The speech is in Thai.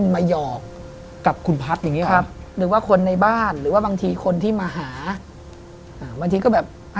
ไม่มีครับ